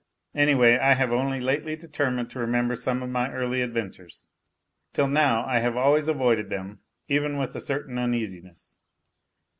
Anyway, I have only lately determined to remember some of my early adventures. Till now I have always avoided them, even with a certain uneasiness.